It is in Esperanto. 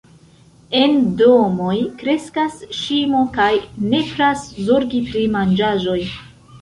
En domoj kreskas ŝimo kaj nepras zorgi pri manĝaĵoj.